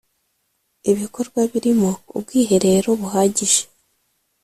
Ibikorwa birimo ubwiherero buhagije